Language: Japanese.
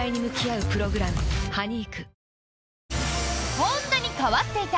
こんなに変わってた！